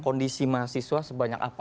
kondisi mahasiswa sebanyak apa